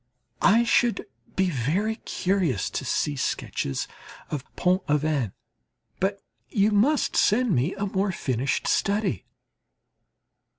I should be very curious to see sketches of Pont Aven; but you must send me a more finished study.